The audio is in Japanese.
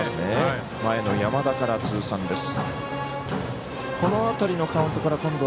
前の山田から通算です。